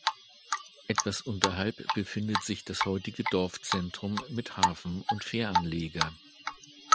Etwas unterhalb befindet sich das heutige Dorfzentrum mit Hafen und Fähranleger.